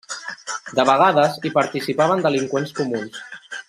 De vegades hi participaven delinqüents comuns.